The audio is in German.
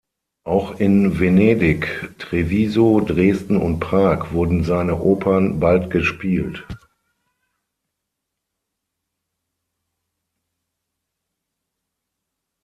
Auch in Venedig, Treviso, Dresden und Prag wurden seine Opern bald gespielt.